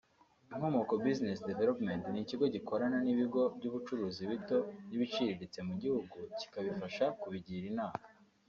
Inkomoko Business Development ni ikigo gikorana n’ibigo by’ubucuruzi bito n’ibiciritse mu gihugu kikabifasha kibigira inama